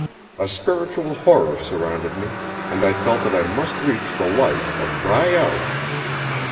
A spiritual horror surrounded me, and I felt that I must reach the light or cry out.